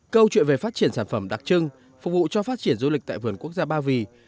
câu chuyện về phát triển sản phẩm đặc trưng phục vụ cho phát triển du lịch tại vườn quốc gia ba vì